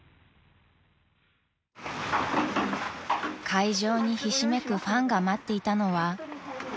［会場にひしめくファンが待っていたのは］